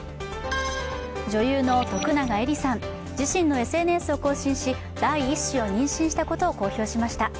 女優の徳永えりさん、自身のＳＮＳを更新し、第１子を妊娠したことを公表しました。